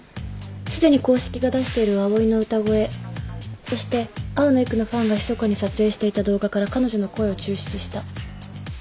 すでに公式が出しているＡＯＩの歌声そして青野郁のファンがひそかに撮影していた動画から彼女の声を抽出した。